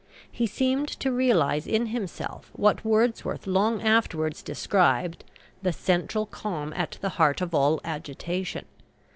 He seemed to realise in himself what Wordsworth long afterwards described, 'the central calm at the heart of all agitation.'